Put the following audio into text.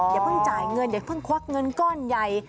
อย่าเพิ่งจ่ายเงินอย่าเพิ่งควักเงินก้อนใหญ่